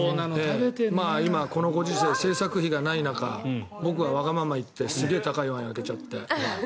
このご時勢、製作費がない中僕はわがまま言ってすごい高いワインを開けちゃって。